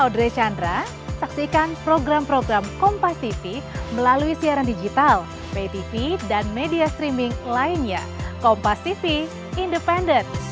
dan kemudian tertipi jalan